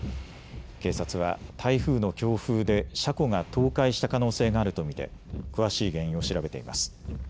警察は台風の強風で車庫が倒壊した可能性があると見て詳しい原因を調べています。